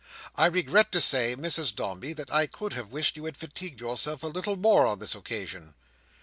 I regret to say, Mrs Dombey, that I could have wished you had fatigued yourself a little more on this occasion.